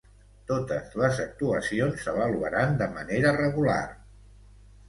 Totes les actuacions s'avaluaran de manera regular